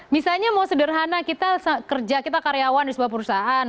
misalnya mau sederhana kita kerja kita karyawan di sebuah perusahaan